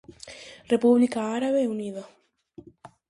República Árabe Unida.